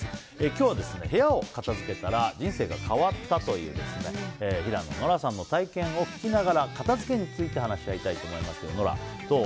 今日は部屋を片付けたら人生が変わったという平野ノラさんの体験を聞きながら片付けについて聞きますがノラ、どう？